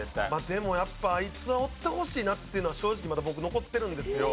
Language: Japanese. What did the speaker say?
でもやっぱあいつはおってほしいなっていうのは正直まだ僕残ってるんですよ。